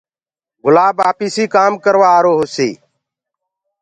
گُلآب آپيسي ڪآم ڪروآ آرو هوسي